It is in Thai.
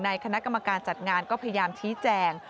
คณะกรรมการจัดงานก็พยายามชี้แจง